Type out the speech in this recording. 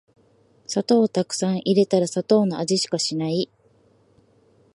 砂糖をたくさん入れたら砂糖の味しかしない